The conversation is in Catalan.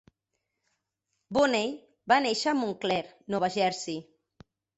Bonney va néixer a Montclair, Nova Jersey.